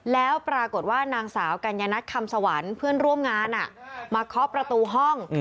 แล้วปรากฏว่านางสาวกัญญนัทคำสวรรค์เพื่อนร่วมงานมาเคาะประตูห้อง